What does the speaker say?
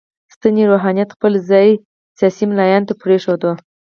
سنتي روحانیت خپل ځای سیاسي ملایانو ته پرېښود.